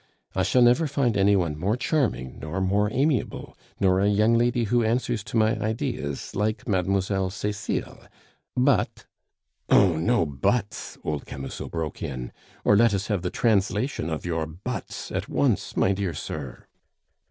I shall never find any one more charming nor more amiable, nor a young lady who answers to my ideas like Mlle. Cecile; but " "Oh, no buts!" old Camusot broke in; "or let us have the translation of your 'buts' at once, my dear sir."